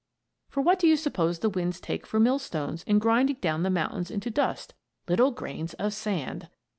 For, what do you suppose the winds take for millstones in grinding down the mountains into dust? Little grains of sand!